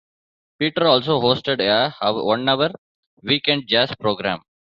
Peter also hosted a one-hour, weekend jazz program.